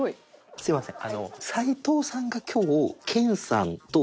すいませんあの。